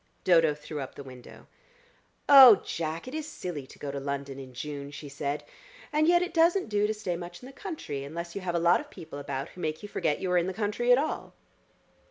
Dodo threw up the window. "Oh, Jack, it is silly to go to London in June," she said. "And yet it doesn't do to stay much in the country, unless you have a lot of people about who make you forget you are in the country at all."